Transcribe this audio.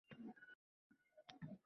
Tuhmatchini Xudo uradi.